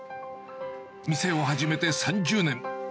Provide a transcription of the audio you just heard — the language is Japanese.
店を始めて３０年。